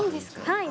はい！